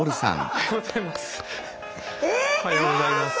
ええ⁉おはようございます。